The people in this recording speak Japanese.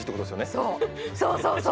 そうそうそうそう。